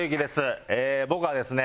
僕はですね